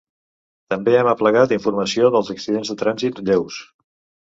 També hem aplegat informació dels accidents de trànsit lleus.